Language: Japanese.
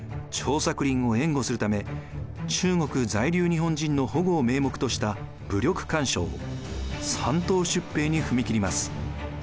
作霖を援護するため中国在留日本人の保護を名目とした武力干渉山東出兵に踏み切ります。